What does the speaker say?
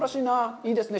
いいですね。